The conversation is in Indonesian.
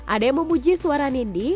ada yang memuji suara nindi